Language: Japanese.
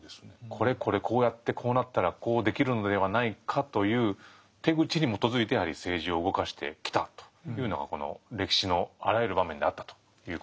これこれこうやってこうなったらこうできるのではないかという手口に基づいてやはり政治を動かしてきたというのがこの歴史のあらゆる場面であったということですね。